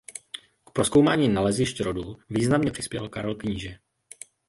K prozkoumání nalezišť rodu významně přispěl Karel Kníže.